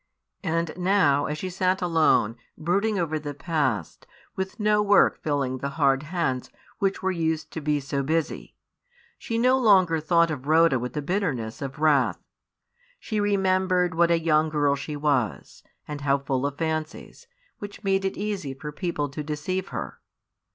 And now, as she sat alone, brooding over the past, with no work filling the hard hands which were used to be so busy, she no longer thought of Rhoda with the bitterness of wrath. She remembered what a young girl she was, and how full of fancies, which made it easy for people to deceive her.